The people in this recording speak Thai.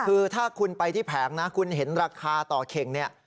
คือถ้าคุณไปที่แผงนะคุณเห็นราคาต่อเข่งเนี่ย